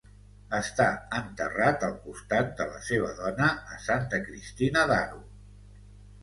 Està enterrat, al costat de la seva dona, a Santa Cristina d'Aro.